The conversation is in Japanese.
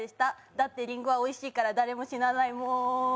だってりんごはおいしいから誰も死なないもーん。